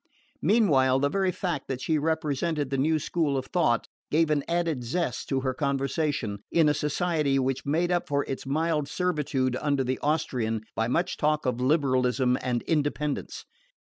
Meanwhile the very fact that she represented the new school of thought gave an added zest to her conversation in a society which made up for its mild servitude under the Austrian by much talk of liberalism and independence.